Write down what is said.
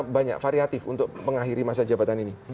banyak variatif untuk mengakhiri masa jabatan ini